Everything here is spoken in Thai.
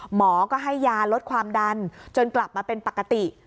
หมอก็ให้ยาลดความดันจนกลับมาเป็นปกติ